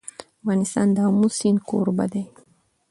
افغانستان د آمو سیند کوربه دی.